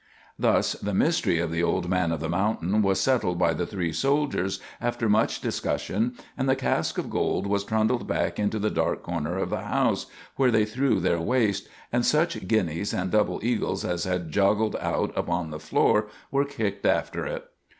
Thus the mystery of the old man of the mountain was settled by the three soldiers, after much discussion, and the cask of gold was trundled back into the dark corner of the house, where they threw their waste, and such guineas and double eagles as had joggled out upon the floor were kicked after it.